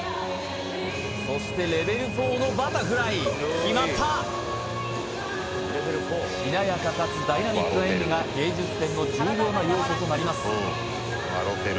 そしてレベル４のバタフライ決まったしなやかかつダイナミックな演技が芸術点の重要な要素となります